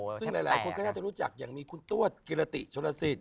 ซึ่งหลายคนก็น่าจะรู้จักอย่างมีคุณตัวกิรติชนลสิทธ